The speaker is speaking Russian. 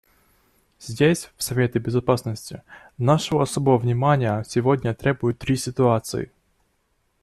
Здесь, в Совете Безопасности, нашего особого внимания сегодня требуют три ситуации.